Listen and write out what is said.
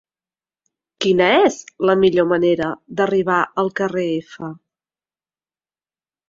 Quina és la millor manera d'arribar al carrer F?